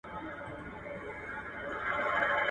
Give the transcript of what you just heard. زه داسې بې ځایه کارونه نه کوم.